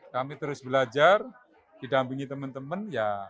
kami terus belajar didampingi teman teman ya